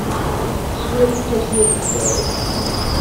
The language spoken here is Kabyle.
Teswa lkas n ukeffay.